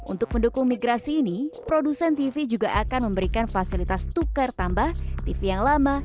untuk mendukung migrasi ini produsen tv juga akan memberikan fasilitas tukar tambah tv yang lama